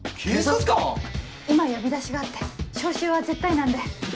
今呼び出しがあって招集は絶対なんで。